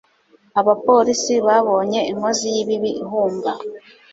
Abapolisi babonye inkozi y'ibibi ihunga